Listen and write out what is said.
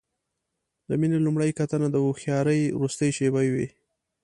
د مینې لومړۍ کتنه د هوښیارۍ وروستۍ شېبه وي.